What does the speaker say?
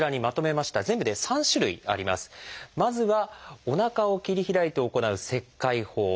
まずはおなかを切り開いて行う「切開法」。